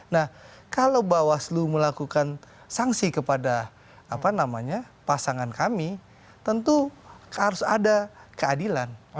nah kalau bawaslu melakukan sanksi kepada pasangan kami tentu harus ada keadilan